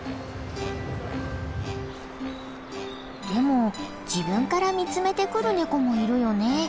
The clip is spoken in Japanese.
でも自分から見つめてくるネコもいるよね。